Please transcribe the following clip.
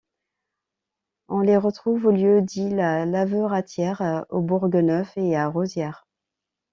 On les retrouve au lieu-dit la Laveratière, au Bourg-Neuf et à Rozière.